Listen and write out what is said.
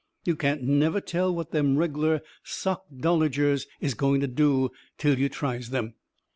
You can't never tell what them reg'lar sockdologers is going to do till you tries them.